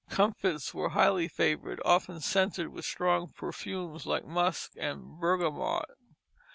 Comfits were highly flavored, often scented with strong perfumes like musk and bergamot.